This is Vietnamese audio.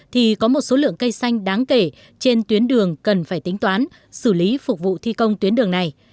thì có một số lượng cây xanh đáng kể trên tuyến đường cần phải tính toán xử lý phục vụ thi công tuyến đường này